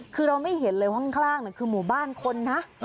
คือเราไม่เห็นเลยว่าข้างล่างคือหมู่บ้านคนนะ